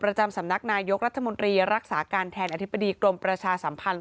ประจำสำนักนายกรัฐมนตรีรักษาการแทนอธิบดีกรมประชาสัมพันธ์